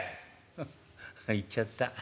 フッあ行っちゃった。